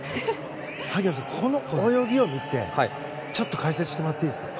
萩野さん、この泳ぎを見てちょっと解説してもらっていいですか。